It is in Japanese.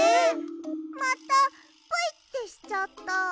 またプイってしちゃった。